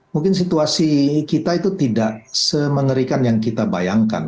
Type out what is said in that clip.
mungkin situasi kita itu tidak semengerikan yang kita bayangkan